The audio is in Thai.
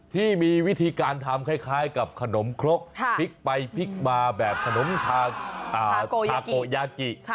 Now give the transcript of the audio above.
ที่มีวิธีการทำคล้ายกับขนมครกพลิกไปพลิกมาแบบขนมทาโกยากิ